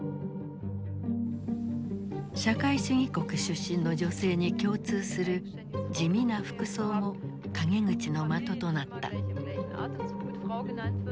社会主義国出身の女性に共通する地味な服装も陰口の的となった。